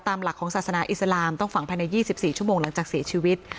หลักของศาสนาอิสลามต้องฝังภายใน๒๔ชั่วโมงหลังจากเสียชีวิต